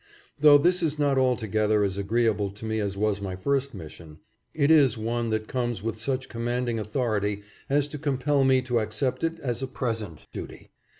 Though this is not altogether as agreeable to me as was my first mission, it is one that comes with such com manding authority as to compel me to accept it as a present duty.